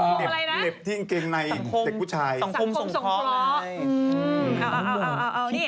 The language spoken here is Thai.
สังคมอะไรนะสังคมส่งเพาะสังคมส่งเพาะเออนี่